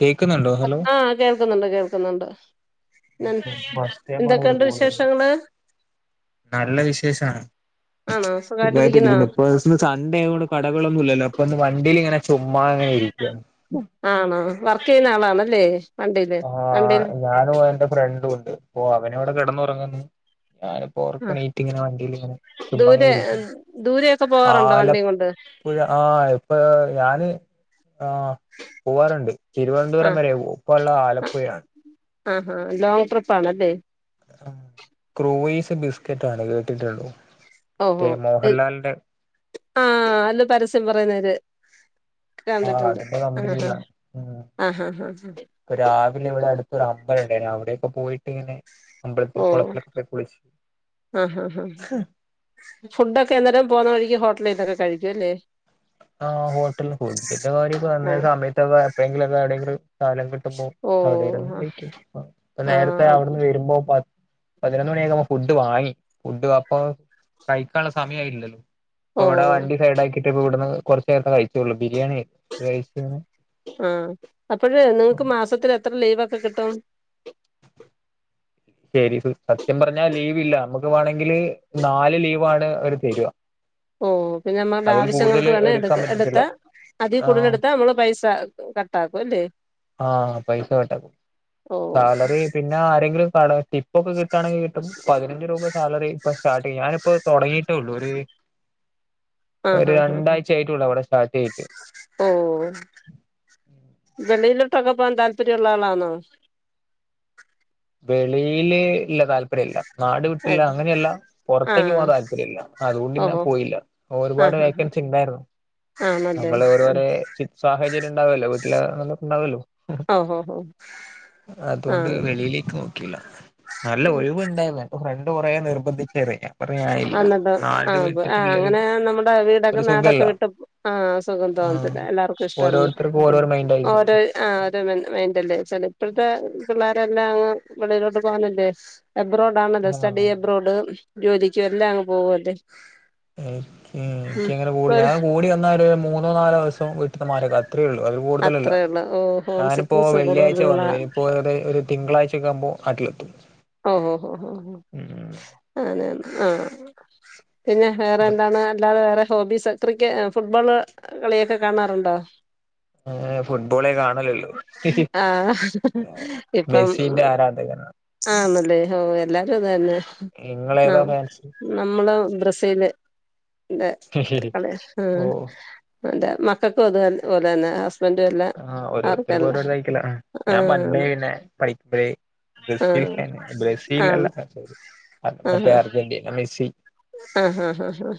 കേക്കുന്നുണ്ടോ ഹലോ ആഹ് കേൾക്കുന്നുണ്ട് കേൾക്കുന്നുണ്ട് ഫസ്റ്റ് ടൈമാണ് ഇവര് എന്തൊക്കെണ്ട് കോൾ വരുന്നത് വിശേഷങ്ങള് നല്ല വിശേഷാണ് ആണോ സുഖായിട്ട് സുഖായിട്ടിരിക്കുന്നോ ഇരിക്കുന്നു ഇപ്പൊ സൺണ്ടേ ആയോണ്ട് കടകളൊന്നുല്ലല്ലോ ഇപ്പൊ ഒന്ന് വണ്ടില്ങ്ങനെ ചുമ്മ ങ്ങനെ ഇരിക്ക ആണോ വർക്ക് ചെയ്യുന്നാളാണല്ലേ ആ ഞാനും എന്റെ ഫ്രണ്ടുംണ്ട് അപ്പൊ അവനവടെ കെടന്നൊറങ്ന്ന് ഞാനും ആഹ് ഒർക്കണീറ്റ്ങ്ങനെ വണ്ടില്ങ്ങനെ ദൂരെ ചുമ്മങ്ങനെ ഇരിക്ക ദൂരെയൊക്കെ പോവാറുണ്ടോ ആലം വണ്ടിയും കൊണ്ട് പ്പുഴ ആ ഇപ്പൊ ഞാന് ആ പോവാറ്ണ്ട് തിരുവനന്തപുരം ആഹ് വരെ പോവു ഇപ്പോള്ളത് ആലപ്പുഴയാണ് ആ ഹാ ലോങ്ങ് ട്രിപ്പാണല്ലെ ക്രൂയിസ് ബിസ്കറ്റാണ് കേട്ടിട്ടുണ്ടോ മറ്റേ ഓഹോ മോഹൻലാലിന്റെ ആ [unintelligible] പരസ്യം പറയുന്നൊര് ആഹ് കണ്ടിട്ടുണ്ട് അതിന്റെ ആഹഹ കമ്പനിയിലാണ് ഉം ആ ഹ ഹ ഇപ്പൊ രാവിലെ ഇവടെ അടുത്തൊരു അമ്പലണ്ടായിനു അവിടെയൊക്കെ പോയിട്ട് ങ്ങനെ അമ്പലത്തിൽ ഓ കൊളത്തിലൊക്കെ പോയി കുളിച്ച് ഫുഡൊക്കെയന്നേരം പോവ്ന്ന വഴിക്ക് ഹോട്ടലില്ന്നൊക്കെ കഴിക്കുയല്ലേ ആ ഹോട്ടൽന്ന് ഫുഡിന്റെ കാര്യം പറഞ്ഞ ആഹ് സമയത്തൊക്കെ എപ്പഴെങ്കിലും എവടേങ്കിലും സ്ഥലം കിട്ടുമ്പോ ഓ അവിടെ ഇരുന്ന് ആഹ് കഴിക്യും ഇപ്പ നേരത്തെ ആഹ് അവിട്ന്ന് വെരുമ്പോ പ പതിനൊന്ന്മണിയായേക്കുമ്പോ ഫുഡ് വാങ്ങി ഫുഡ് അപ്പൊ കഴിക്കാള്ള സമയായിട്ടില്ലല്ലോ ഓ ഇപ്പ ഇവടെ വണ്ടി സൈഡാക്കിട്ട് പ്പ്വ്ട്ന്ന് കൊർച്ച് നേരത്തെ കഴിച്ചോള്ളു ബിരിയാണി [unintelligible] ആ അപ്പഴേ നിങ്ങക്ക് മാസത്തില് എത്ര ലീവൊക്കെ കിട്ടും ശരിവ് സത്യം പറഞ്ഞാ ലീവ് ല്ല നമ്മക്ക് വാണെങ്കില് നാല് ലീവാണ് അവര് തര്വ ഓ പിന്നെ നമ്മടാവശ്യങ്ങക്ക് വേണെ എടുക്കാൻ എടുക്ക പറ്റത്തില്ല എടുത്താ അതി ആഹ് കൂടുതലെടുത്താ നമ്മളെ പൈസ കട്ടാക്കും ല്ലേ ആ പൈസ കട്ടാക്കും ഓ അത് പിന്നെ ആരെങ്കിലും പ്പാടെ ടിപ്പൊക്കെ കിട്ടാണെങ്കി കിട്ടും പതിനഞ്ച് രൂപ സാലറി ഇപ്പൊ സ്റ്റാർട്ടിങ്ങാ ഞാനിപ്പോ തൊടങ്ങീട്ടൊള്ളു ഒര് ആഹ് ഒര് ആഹ് ആഹ് രണ്ടായ്ച്ചായ്ട്ടൊള്ളു അവടെ സ്റ്റാട്ടെയ്ത്ട്ട് ഓ വെളിയിലിട്ടൊക്കെ പോവാൻ താല്പര്യള്ള ആളാന്നൊ വെളിയില് ഇല്ല താല്പര്യല്ല നാട് വിട്ടില്ല അത് അങ്ങനെയല്ല പുറത്തേക്ക് പോവാൻ ആഹ് താല്പര്യമില്ല. അതൊണ്ട് പിന്നെ ഓഹോ പോയില്ല. ഒരുപാട് ആഹ് ആഹ് വേക്കൻസി ഇണ്ടായിരുന്നു ആഹ് ആണല്ലേ നമ്മള് ഓരോരെ ചു സാഹചര്യം ഉണ്ടാവൊല്ലോ വീട്ടില് ഇണ്ടാവൊല്ലോ ആഹ് ഓഹോ ഹോ അതോണ്ട് ആഹ് വെളിയില് നോക്കില്ല നല്ല ഒഴിവ് ഇണ്ടായിരുന്നു. അപ്പ ഫ്രണ്ട് കുറേ നിർബന്ധിച്ചത് അന്നിട്ട് ആഹ് ആ അങ്ങനെ നമ്മടെ വീടൊക്കെ ഒരു നാടൊക്കെ സുഖല്ല വിട്ട് ആഹ് സുഖം ആഹ് തോന്നത്തില്ല എല്ലാക്കും ഇഷ്ടല്ല ഓരോരുത്തർക്കും ഓരോരു മൈൻഡ് ആയിരിക്കുല്ലോ ഒര് ആഹ് ഒരോ മൈന്റല്ലേ ചെല പ്പഴത്തെ പിള്ളേരെല്ലാം അങ് വെളിയിലോട്ട് പോകാനല്ലേ അബ്രോഡാംന്നല്ല സ്റ്റഡി ആഹ് യബ്രോഡ് ജോലിക്ക് എല്ലാം അങ്ങ്പോവല്ലെ എനിക്ക് എനിക്ക്ങ്ങനെ കൂടി ഞാൻ കൂടി വന്നാല് ഒരു മൂന്നോ നാലോ ദിവസം വീട്ടുന്ന് മാറിയ്കാരം ത്രേ ഒള്ളൂ അതിൽ കൂടുതലല്ല. അത്രേ ഉള്ളൂ ഓ ഹോം ഞാനിപ്പോ സിക്നസ് വെള്ളിയാഴ്ച കൂടുതലുള്ള വന്നത് ഇനി പ്പോയത് ഒരു തിങ്കളാഴ്ച ഒക്കെ ആകുമ്പോ നാട്ടിലെത്തും ഓ ഓ ഓ ഓ ഉം ആനെ ആഹ് പിന്നെ വേറെ എന്താന്ന് അല്ലാതെ വേറെ ഹോബീസ് ക്രിക്കറ്റ് ഫുട്ബോള് കളിയൊക്കെ കാണാറുണ്ടോ ഏഹ് ഫുട്ബോളേ കാണലുള്ളൂ ആഹ് ഇപ്പം മെസ്സിന്റെ ആരാധകനാ ആന്നല്ലേ ഓ എല്ലാരും അതന്നെ നിങ്ങളേതാ നാം ഫാൻസ് നമ്മള് ബ്രസീല്ന്റെ കളി ഓഹ് എന്റെ മക്കക്കും അത്പലെ തന്നെ ഹസ് ആഹ് ഓരോരുത്തർക്കും ഓരോലൈക്കല്ലേ ഞാൻ പണ്ടേ ആന്ന് പിന്നെ പഠിപ്പ്‌. ആ ബ്രസീൽഫാന് ബ്രസീൽ അല്ല ആന്ന് സോറി മറ്റേ അർജന്റീ മെസ്സി ആഹ് ആഹ് ആഹ് ആഹ്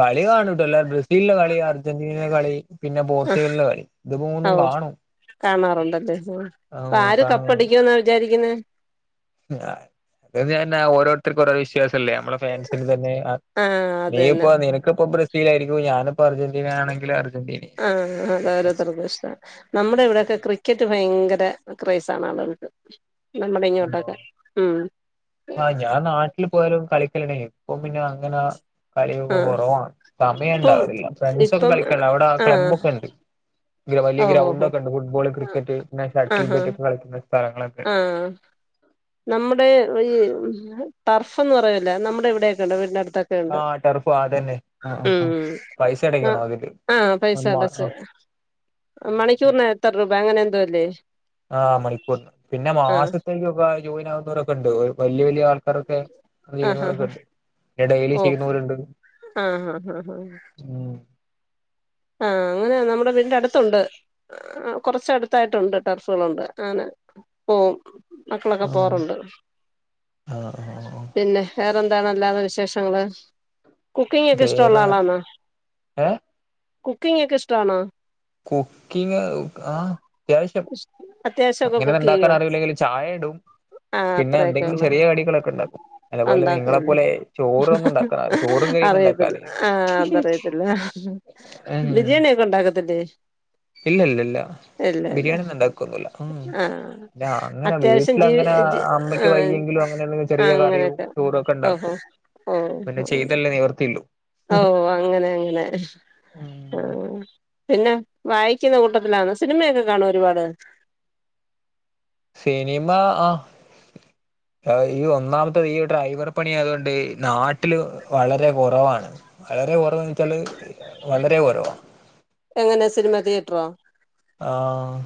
കളി കാണൂട്ടോ അല്ല ബ്രസീലിന്റെ കളി അർജന്റീനയുടെ കളി പിന്നെ പോർച്ചുഗലിന്റെ കളി ആ ന്നും ഓ കാണും കാണാറുണ്ടല്ലേ ആഹ് ഇപ്പ ആഹ് ആര് കാണും കപ്പടിക്കുന്നാ വിചാരിക്കുന്നെ ആഹ് അതന്നെ ഓരോരുത്തർക്കും ഓരോ വിശ്വാസല്ലേ നമ്മളെ ഫാൻസിന്റെ തന്നെ ആ അത് നീ തന്നെ ഇപ്പ നിനക്ക് ഇപ്പൊ ബ്രസീൽ ആയിരിക്കും ഞാനും ഇപ്പ അർജന്റീന ആണെങ്കിൽ അർജന്റീനി വിശ്വാസം [inaudible] നമ്മ്ടെ ഇവിടെയൊക്കെ ക്രിക്കറ്റ് ഭയങ്കര ക്രൈസാണ് ആള്കൾക്ക് നമ്മ്ടെ ഇങ്യോട്ടൊക്കെ വിശ്വാസം ഉം വീട്ടിൽ പോയാലും കളിക്കല്ണ്ടേനി ഇപ്പ പിന്നെ അങ്ങനെ ആ കളിയൊക്കെ കൊറവാണ്. ഇപ്പം സമണ്ടാവാറില്ല ഫ്രണ്ട്സ് ഒക്കെ ഇപ്പം കളിക്കല് അവിടെ ആ ക്ലബ്ബൊക്കെ ഇണ്ട് വലിയ ഓഹോ ഗ്രൗണ്ടൊക്കെ ഹോ ഇണ്ട് ഫുട്ബോള് ക്രിക്കറ്റ് പിന്നെ ആഹാ ഷട്ടിൽബെറ്റ് ഒക്കെ കളിക്കുന്ന സ്ഥലങ്ങളൊക്കെ ആഹ് നമ്മുടെ ഈ ടർഫ്ന്ന് പറയല്ല നമ്മുടെ ഇവിടെയൊക്കെ ഉണ്ട് വീടിനടുത്ത് ആഹ് ടർഫ് അതന്നെ ആഹ് പൈസ ആഹ് അടയ്ക്കണോ അതില് ആഹ് പൈസ അടച്ച മണിക്കൂറിന് എത്ര രൂപ അങ്ങനെ എന്തോ ഇല്ലേ ആഹ് മണിക്കൂറിന് പിന്നെ മാസത്തേക്കൊക്കെ ജോയിൻ ആക്കുന്നവരൊക്കെ ഉണ്ട് വലിയ വലിയ ആൾക്കാരൊക്കെ ആഹ് ആഹ് കളിക്കുന്നോരൊക്കെണ്ട് പിന്നെ എടല്യി ഓഹ് ചെയ്യുന്നോര്ണ്ട് ആഹ് ആഹ് ആഹ് ഉം ആഹ് അങ്ങനെ നമ്മുടെ വീടിന്റെ അടുത്തുണ്ട് കൊറച്ചടുത്തായിട്ടുണ്ട് ടെർഫുകളുണ്ട് അങ്ങനെ പോവും മക്കളൊക്കെ പോവാറുണ്ട് ആഹ് ആഹ് ആഹ് പിന്നെ വേറെ എന്താണല്ലാത വിശേഷങ്ങള് കുക്കിംഗ് ഒക്കെ ഇഷ്ടമുള്ള കേറാണ് ഏഹ് കുക്കിംങ് ഒക്കെ ഇഷ്ടവാണോ കുക്കിങ് ആഹ് അത്യാവശ്യം അത്യാവശ്യമൊക്കെ അങ്ങനൊന്നും കുക്ക് ഉണ്ടാക്കാൻ ചെയ്യോ അറിയില്ലെങ്കിലും ചായ ഇടും ആഹ് പിന്നെ അത്രയൊക്കെ എന്തെങ്കിലും ഉള്ളൂ ചെറിയ കടികളൊക്കെ ഉണ്ടാക്കും അതുപോലെ ഉണ്ടാക്കുവല്ലേ നിങ്ങളെപ്പോലെ ചോറൊന്നും ഉണ്ടാക്കാന ചോറും കയ്യുന്ന ഉണ്ടാക്കും അറിയത്തില്ല ആഹ് അതറിയത്തില്ല ഉം ബിരിയാണി ഒക്കെ ഉണ്ടാക്കത്തില്ലേ ഇല്ല ഇല്ല ഇല്ല ഇല്ല ബിരിയാണി ഒന്നും ഇണ്ടാക്കോന്നൂല്ല ഉം ആഹ് പിന്നെ അങ്ങനെ അത്യാവശ്യം വീട്ടില ജീ അങ്ങനെ ജി അമ്മയ്ക്ക് ആഹ് വയ്യെങ്കിലും ഇങ്ങനന്തെങ്കും ചെറിയ കറിയും അങ്ങനെയൊക്കെ ചോറും ഒക്കെ ഓഹോ ഉണ്ടാക്കും പിന്നെ ഓഹ് ചെയ്തല്ലേ നിവർത്തിയുള്ളൂ ഓഹ് അങ്ങനെ അങ്ങനെ ഉം. ആഹ് പിന്നെ വായിക്കുന്ന കൂട്ടത്തിലാന്ന സിനിമയൊക്കെ കാണോ ഒരുപാട് സിനിമ ആഹ് [inaudible] ഈ ഒന്നാമത്തത് ഈ ഡ്രൈവർ പണി ആയതുകൊണ്ടേ നാട്ടില് വളരെ കുറവാണ്. വളരെ കുറവ് ന്ന് വെച്ചാല് വളരെ കുറവാണ് എങ്ങനെ സിനിമാ തിയേറ്ററോ ആഹ്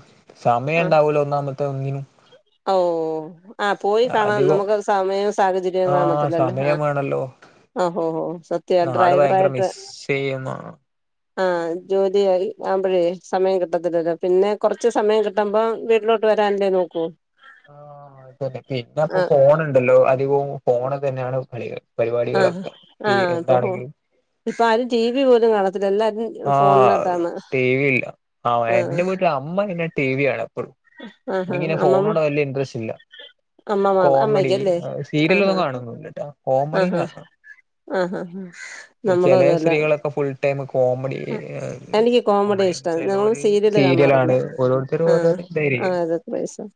സമയം ഉണ്ടാവൂല ഒന്നാമത്തെ ഒന്നിനും ആഹ് ഓ ഓ ഓഹ് ആഹ് പോയി കാണാൻ നമുക്ക് സമയവും സാഹചര്യവും കാണത്തില്ല സമയമാണല്ലോ ആഹ്ഹോ ഒഹോ സത്യവാ ഡ്രൈവർ ആയിട്ട് മിസ് ചെയ്യുന്ന ആഹ് ജോലി ആവുമ്പോഴേ സമയം കിട്ടത്തില്ലല്ലോ പിന്നെ കുറച്ച് സമയം കി ട്ടുമ്പം വീട്ടിലോട്ട് വരാനല്ലേ നോക്കൂ ആഹ് അത് തന്നെ പിന്നെ അപ്പോ ആഹ് ഫോണുണ്ടല്ലോ അധികവും ഫോണ് തന്നെയാണ് കളികൾ പരിപാടികളൊക്കെ തീ എന്താണെങ്കിലും ഇപ്പ ആരും ടി വി പോലും കാണത്തില്ല എല്ലാരും ആഹ് ഫോണിനകത്താണ് ടി വി ഇല്ല ആഹ് എന്റെ വീട്ടില് അമ്മ പിന്നെ ടി വിയാണ് എപ്പോഴും [inaudible] ക്കിങ്ങനെ അമ്മമ്മ ഫോണോട് വലിയ ഇൻടറസ്റ്റ് ഇല്ല അമ്മമാർ കോമഡി അമ്മയ്ക്കല്ലേ ആഹ് സീരിയലൊന്നും കാണൊന്നും ഇല്ലട്ടാ കോമഡീ ആഹ് കാണാ ആഹ് ആഹ് ആഹ് നമ്മളും അത് പോലെ സ്ത്രീകളൊക്കെ ഫുൾ ടൈം കോമഡി എനിക്ക് കോമഡി കോമഡിയാണ് ഇഷ്ടവാണ് ഞങ്ങളും ചെലോര് സീരിയല് കാണാറില്ല സീരിയലാണ് ഓരോരുത്തരും ആഹ് ഓരോരോ ഇതായിരിക്കും ആഹ് അതൊക്കെ പൈസ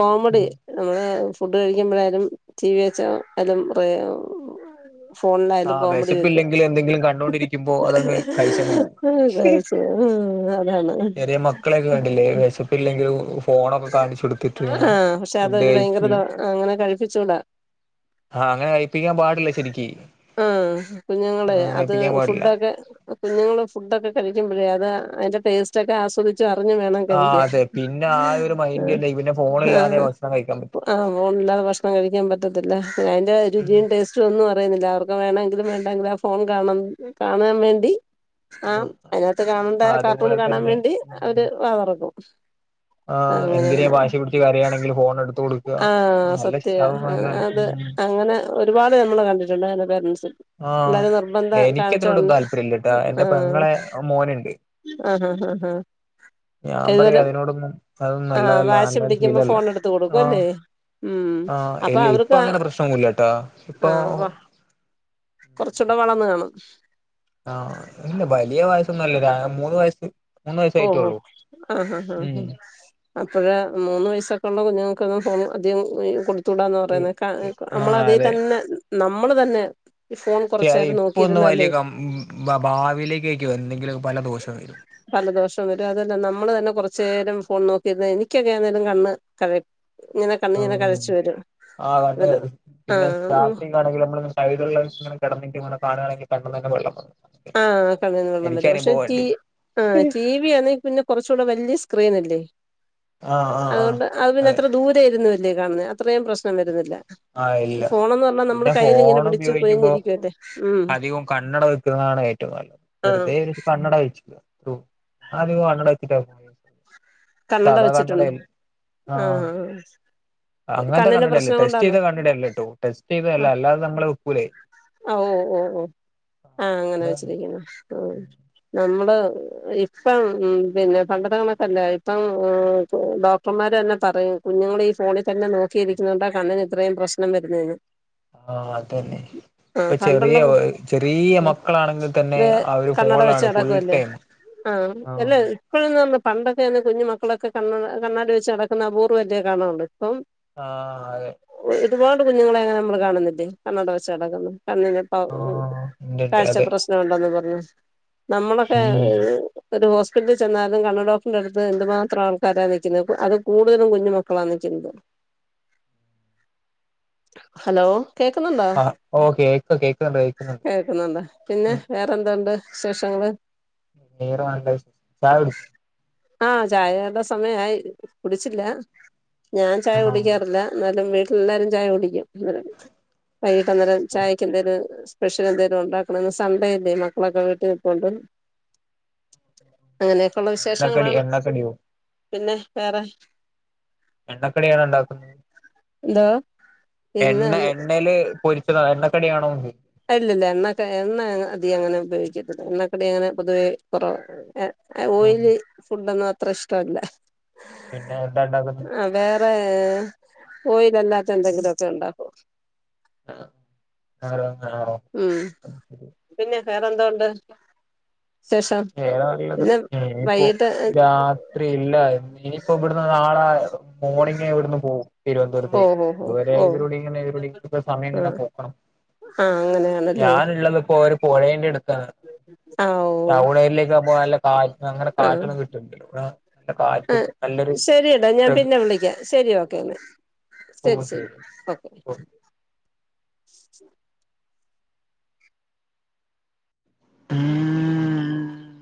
കോമഡി നമ്മള് ഫുഡ് കഴിക്കുമ്പോഴാലും ടി വി വെച്ചാലും അയിൽ മ്പ്രെ ഫോണിലായാലും ആഹ് കോമഡി വെക്കും വെശപ്പില്ലെങ്കിൽ എന്തെങ്കിലും കണ്ടോണ്ടിരിക്കുമ്പോ അതങ്ങ് കഴിച്ചങ്ങ് പോകും [unintelligible] ഉം കഴിച്ച് ഉം അതാണ് ചെറിയ മക്കളൊക്കെ കണ്ടില്ലേ വെഷപ്പ് ഇല്ലെങ്കിലും ഫോണൊക്കെ കാണിച്ചൊടുത്തിട്ട് ഇങ്ങനെ ആഹ് പക്ഷെ ഫുഡ് അതൊരു ഭയങ്കര കഴിക്കി ദോ അങ്ങനെ കഴിപ്പിച്ചൂടാ ആഹ് അങ്ങനെ കഴിപ്പിക്കാൻ പാടില്ല ശരിക്ക് ആഹ് കുഞ്ഞുങ്ങളെ അങ്ങനെ അത് കഴിപ്പിക്കാൻ പാടില്ല ഫുഡൊക്കെ കുഞ്ഞുങ്ങള് ഫുഡൊക്കെ കഴിക്കുമ്പോഴേ അത് അതിന്റെ ടേസ്റ്റ ഒക്കെ ആസ്വദിച്ചു കുച്ച അറിഞ്ഞു വേണം ആഹ് കഴിക്കാൻ അതെ പിന്നെ ആ ഒരു മൈൻഡ് ആഹ് തന്നെ പിന്നെ ഫോണില്ലാതെ ആഹ് ഭക്ഷണം കഴിക്കാൻ പറ്റും ആഹ് മോല്ലാ ഭക്ഷണം കഴിക്കാൻ പറ്റത്തില്ല അതിന്റെ ഉം രുചിയണ്ട് ഒന്നും അഹ് പറയുന്നില്ല അവർക്ക് വേണമെങ്കിലും വേണ്ടമെങ്കിലും ആഹ് ഫോൺ കാണൻ കാണാൻ വേണ്ടി ആഹ് അതിനകത്ത് കാണണ്ട ആഹ് കാർട്ടൂൺ അതുപോലെ കാണാൻ തന്നെ വേണ്ടി ഉം അവര് വാതുറക്കും ആഹ് എന്തിനാ വാശി പിടിച്ച് കയുകയാണെങ്കിൽ ഫോൺ എടുത്തു ആഹ് സത്യ അത് ഉം അങ്ങനെ ഒരുപാട് നമ്മള് കണ്ടട്ടുണ്ട് അന്റെ പരൻറ് ആഹ് വളരെ നിർബന്ധം എനിക്കതിനോടൊന്നും കാണിച്ചോണ്ട് താല്പര്യമില്ലട്ടാ എന്റെ ആഹ് പെങ്ങളെ മോനുണ്ട് ആഹ് ആഹ് ആഹ് ആഹ് ഞാൻ ഇതുപോലെ പറയാ അതിനോടൊന്നും അതൊന്നും ആഹ് നല്ലതല്ല വാശി നല്ലൊരു പിടിക്കുമ്പോ ശീലല്ല ഫോൺ എടുത്ത ആഹ് കൊടുക്കുംല്ലേ ഉം ആഹ് അപ്പൊ ഇല്ല ഇപ്പൊ അവർക്ക് അങ്ങനെ പ്രശ്നൊന്നുമില്ലട്ടാ ഇപ്പൊ ആഹ് കുറച്ചൂടെ വളർന്നു കാണും ആഹ് ഇല്ല വലിയ വയസ്സൊന്നുമല്ല മൂന്ന് വയസ്സ് മൂന്ന് ഓഹഓ വയസ്സായിട്ടേള്ളൂ ആഹ് ആഹ് ഉം ആഹ് അഹ് അപ്പോഴ മൂന്ന് വയസൊക്കെയ ഉള്ള കുഞ്ഞുങ്ങൾക്കൊന്നും ഫോൺ അധികം കൊടു തുട എന്ന് പറയുന്നത് നമ്മള ആഹ് അതേ അതെ തന്നെ നമ്മൾ തന്നെ ഈ ഫോൺ കുറച്ചു നേരം ഇപ്പ ഒന്ന് വലിയ നോക്കിയിരുന്നാലേ ക ഭാവിയിലേക്ക് ആക്കി എന്തെങ്കിലും പല ദോഷം വരും പല ദോഷം വരും അതല്ല നമ്മള് തന്നെ കുറച്ച നേരം ഫോൺ നോക്കിയിരുന്ന എനിക്കൊക്കെ ആന്തോലും കണ്ണ് കഴ ഇങ്ങനെ കണ്ണ് ഇങ്ങനെ ആഹ് കഴച്ച വരും ആ ണെങ്ക നമ്മടെള്ള ഇങ്ങന കിടന്നി ഇ കാണയാണെങ്ക പെ തെള്ള ആ കണ്ണന്ന് വെള്ളം വരും പക്ഷെ ഈ ആ ടി വി ആണെങ്കിൽ പിന്നെ കുറച്ചുകൂടെ വലിയ സ്ക്രീനല്ലേ ആഹ് ആഹ് ആഹ് അതുകൊണ്ട് അത് പിന്നെ അതെ അത്ര ദൂരെയിരുന്നുല്ലേ കാണുന്നത് അത്രയും പ്രശ്നം വരുന്നില്ല ആഹ് ഇല്ല ഫോണന്ന പറല്ല നമ്മള് പിന്നെ കയ്യിൽ ഇങ്ങനെ ഫോൺ പിടിച്ചു ഉപയോഗിക്കുമ്പോ കുഴിഞ്ഞിരിക്കുവട്ടെ ഉം അധികവും കണ്ണട വെക്കുന്നതാണ് ഏറ്റവും നല്ലത് ആഹ് വെറുതെ വെച്ച് കണ്ണട വെച്ചില്ല ആ കണ്ണട എത്തിട്ട കണ്ണട സാതാ വെച്ചിട്ടുണ്ട് കണ്ണടല്ല ആഹ ആഹ് അങ്ങനത്തെ കണ്ണിന്റെ കണ്ടിട്ടല്ല പ്രശ്നം ടെസ്റ്റ് കൊണ്ടാന്നോ ചെയ്ത് കണ്ടിട്ടല്ലോ ട്ടോ ടെസ്റ്റ് ചെയ്തല്ല അല്ലാതെ നമ്മെ ഉപ്പൂലേ ഓ ഓ ഓ ആഹ അങ്ങനെ അതാണ് വെച്ചിരിക്കുന്നു ആ നമ്മള് ഇപ്പം ഉ പിന്നെ പണ്ടത്തെ കണക്കല്ലേ ഇപ്പം ഡോക്ടർമാർ തന്നെ പറയും കുഞ്ഞുങ്ങൾ ഈ ഫോണിൽ തന്നെ നോക്കിയിരിക്കുന്നുണ്ട് കണ്ണിന് ഇത്രയും പ്രശ്നം ന മരുരുന്നു ആഹ് അത് തന്നെ ഇപ്പൊ ചെറിയ പണ്ടുള്ള കു ചെറിയ മക്കളാണെങ്കിൽ തന്നെ വേ അവര് കണ്ണട വെച്ച് ഫോണിലാണ് ഫുൾ നടക്കുവല്ലേ ടൈം ആഹ് എല്ലാ മക്കളന്ന് പറ പണ്ടൊക്കെന്ന് കുഞ്ഞുക്കളൊക്കെ കണ്ണ കണ്ണാടി വെച്ച് ക നടക്കുന്ന ബൂർ വലേ കാണുന്നുണ്ട് ഇപ്പം ആഹ് അതെ ഒരുപാട് കുഞ്ഞുങ്ങളെ അങ്ങനെ നമ്മൾ കാണുന്നില്ലേ കണ്ണട വച്ചടക്കുന്ന കണ്ണി ഉണ്ട്ണ്ട് കാഴ്ച അതെ പ്രശ്നം ഉണ്ടോന്ന് പറഞ്ഞു നമ്മളൊക്കെ ഉം ഒരു ഹോസ്പിറ്റലിൽ ചെന്നാലും കണ്ണ് ഡോക്ടറിന്റെ അടുത്ത് അ എന്തുമാത്രം ആൾക്കാരാ നിൽക്കുന്നത് അത് കൂടുതലും കുഞ്ഞ മക്കളാ നിൽക്കുന്നത് ഹലോ കേൾക്കുന്നുണ്ടോ ആ ഓ കേക്ക കേൾക്കുന്നുണ്ട് കേക്കുന്നുണ്ട് കേൾക്കുന്നുണ്ടോ പിന്നെ വേറെന്തണ്ട് വിശേഷങ്ങള് വേറെ എന്താ ചായ കുടിച്ചോ ആഹ ചായയുടെ സമയയി കുടിച്ചില്ല ഞാൻ ചായ കുടിക്കാറില്ല എന്നാലും വീ എല്ലാരും ചായ കുടിക്കും അന്നേരം വൈകിട്ട് അന്നേരം ചായക്ക എന്റെ ഒരു സ്പെഷ്യൽ എന്തെങ്കിലും ഉണ്ടാക്കണന്ന് സൺണ്ടേയില്ലേ മക്കളൊക്കെ വീട്ടിൽ നിക്കൊണ്ട് [inaudible] ഉള്ള വിശേഷങ്ങളാണ് അതെയോ പിന്നെ വേറെ എണ്ണക്കടിയാണ് ഉണ്ടാക്കുന്നത് ഇന്താ എണ്ണ എണ്ണയില് പൊരിച്ചത എണ്ണക്കടിയണോ അല്ലില്ല എണ്ണക്കെ എണ്ണ അതി അങ്ങനെ ഉപയോഗിക്കത് എണ്ണക്കടി അങ്ങനെ പൊതുവേ കുറവ ആഹ് ഓയിലി ഫുഡൊന്നും അത്ര ഇഷ്ടല്ല പിന്നെ എന്താ വേറെ അ ഓയിലല്ലാത്ത എന്തെങ്കിലൊക്കെ ഉണ്ടാക്കും ആ ആ ആണോ ഉം പിന്നെ വേറെന്തോണ്ട് വിശേഷം വേറെ പിന്നെ വൈകിട്ട് നല്ലത്യപ്പോരാ ത്രി ഇല്ല ഇനിയിപ്പോ ഇവിടുന്ന് നാളെ മോർണിംഗ ഇവിടുന്ന് പോകവും ഓ തിരുവനന്തപുരത്തേക്ക് ഓ ഇതുവരെ ഓ ഓ ഇതിലൂടെ ഇങ്ങെതി സമയം ഇങ്ങനെ പോക്കണം ആഹ അങ്ങനെയാണ് ഞാന്ള്ളത് ഇപ്പോ ഓരേ പൊരേന്റെടുത്താണ് ആഹ് ഓഹ് ടൗൺ ഏരിലേക്കാവുമ്പോ നല്ല കാ അങ്ങനെ കാറ്റൊന്നും [unintelligible] ഇവടെ ആഹ് ശെരി ചേട്ടാ ഞാൻ പ്രകൃ പിന്നെ വിളിക്കാം ശെരി ഓക്കേ ന്നാ ശെരി ഓ ശെരി ശരി ഓക്കെ ഓ [inaudible]